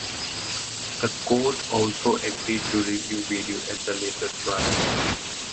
The court also agreed to review video at the later trial.